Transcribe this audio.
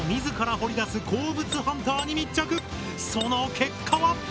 その結果は？